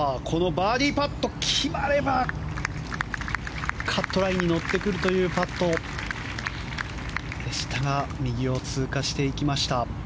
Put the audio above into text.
バーディーパットが決まればカットラインに乗ってくるというパットでしたが右を通過していきました。